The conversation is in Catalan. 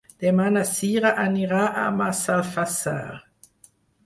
Demà na Cira anirà a Massalfassar.